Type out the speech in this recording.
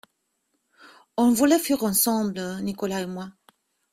On voulait fuir ensemble, Nicolas et moi.